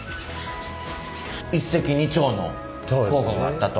一石二鳥の効果があったと。